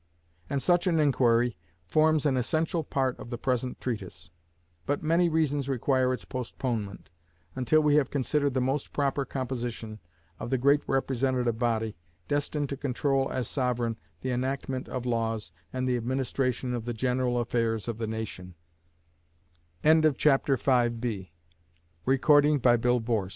And such an inquiry forms an essential part of the present treatise; but many reasons require its postponement, until we have considered the most proper composition of the great representative body, destined to control as sovereign the enactment of laws and the administration of the general affairs of th